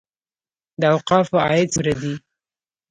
د اوقافو عاید څومره دی؟